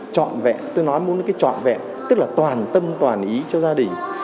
trọn vẹn tôi nói muốn là cái trọn vẹn tức là toàn tâm toàn ý cho gia đình